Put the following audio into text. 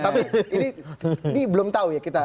tapi ini belum tahu ya